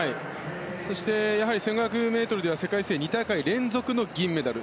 そして１５００ｍでは世界大会では２大会連続の銀メダル。